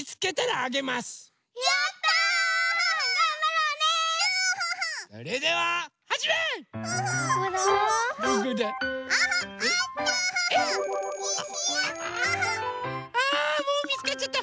あもうみつかっちゃった。